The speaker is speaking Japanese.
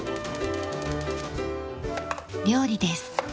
料理です。